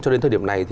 cho đến thời điểm này